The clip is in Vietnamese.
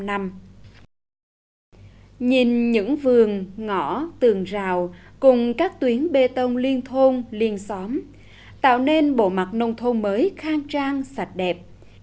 nhìn những vườn ngõ tường rào cùng các tuyến bê tông liên thôn liên xóm tạo nên bộ mặt nông thôn mới khang trang sạch đẹp